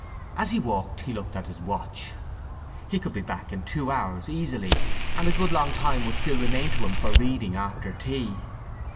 As he walked he looked at his watch. He could be back in two hours, easily, and a good long time would still remain to him for reading after tea.